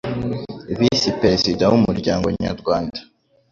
visi perezida w umuryango nyarwanda